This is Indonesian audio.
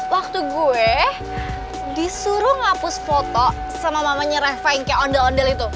waktu gue disuruh ngapus foto sama mamanya reva yang kek ondel ondel itu